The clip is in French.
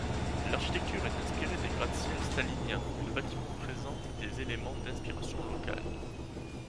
L'architecture est inspirée des gratte-ciel staliniens mais le bâtiment présente des éléments d'inspiration locale.